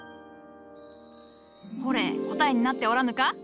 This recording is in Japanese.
ほれ答えになっておらぬか？